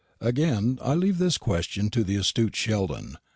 Again I leave this question to the astute Sheldon.